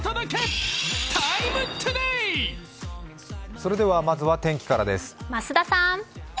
それではまずは天気からです。